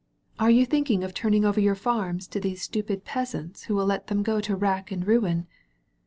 Are you thinking of turning over your farms to these stupid peasants who will let them go to rack and ruin?